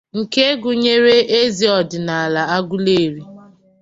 nke gụnyere eze ọdịnala Aguleri